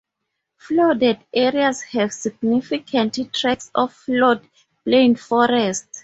Flooded areas have significant tracts of floodplain forest.